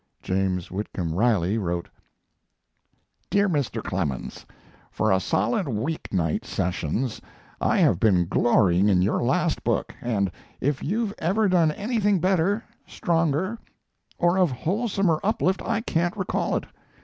James Whitcomb Riley wrote: DEAR MR. CLEMENS, For a solid week night sessions I have been glorying in your last book and if you've ever done anything better, stronger, or of wholesomer uplift I can't recall it.